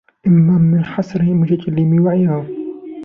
إمَّا مِنْ حَصْرِ الْمُتَكَلِّمِ وَعِيِّهِ